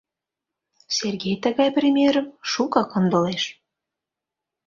Сергей тыгай примерым шуко кондылеш.